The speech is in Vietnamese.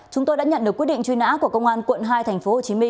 chúng tôi đã nhận được quyết định truy nã của công an quận hai tp hcm